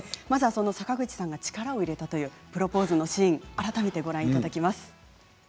坂口さんが力を入れたというプロポーズのシーンを改めてご覧いただきます。